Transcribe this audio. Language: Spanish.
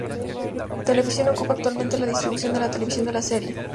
Television ocupa actualmente la distribución de televisión de la serie.